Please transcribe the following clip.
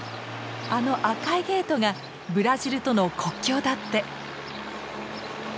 あの赤いゲートがブラジルとの国境だって！